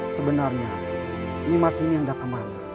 sebenarnya nimas ini hendak kembali